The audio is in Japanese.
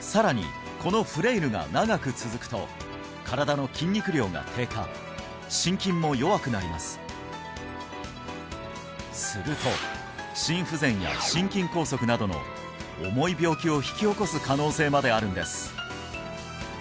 さらにこのフレイルが長く続くと身体の筋肉量が低下心筋も弱くなりますすると心不全や心筋梗塞などの重い病気を引き起こす可能性まであるんです